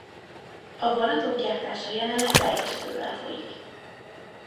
A vonatok gyártása jelenleg teljes erővel folyik.